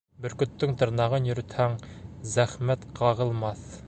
Бөркөттөң тырнағын йөрөтһәң, зәхмәт ҡағылмаҫ.